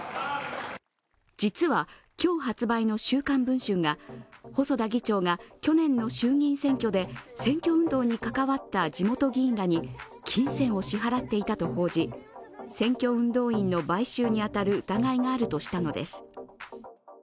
実は、今日発売の「週刊文春」が細田議長が去年の衆議院選挙で選挙運動に関わった地元議員らに金銭を支払っていたと報じ、選挙運動員の買収に当たる疑いがあるとしたのです。